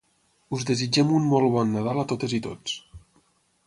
Us desitgem un molt bon Nadal a totes i tots.